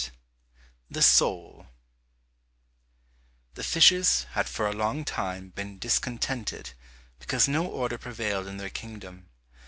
172 The Sole The fishes had for a long time been discontented because no order prevailed in their kingdom.